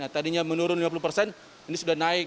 tadinya menurun lima puluh persen ini sudah naik